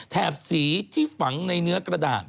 สีที่ฝังในเนื้อกระดาษ